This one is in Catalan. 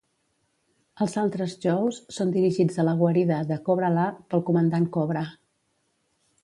Els altres Joes són dirigits a la guarida de Cobra-La pel comandant Cobra.